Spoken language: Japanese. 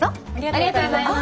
ありがとうございます。